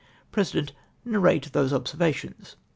President. — "Narrate those observations."